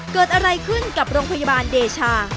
เกิดอะไรขึ้นกับโรงพยาบาลเดชา